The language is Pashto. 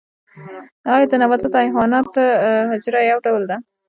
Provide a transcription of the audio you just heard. ایا د نبات او حیوان حجره یو ډول ده